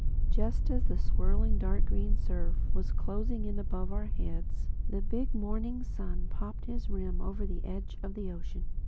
Just as the swirling dark green surf was closing in above our heads, the big morning sun popped his rim up over the edge of the ocean.